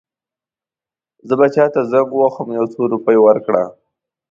زه به چاته زنګ ووهم یو څو روپۍ ورکړه.